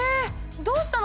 どうしたの？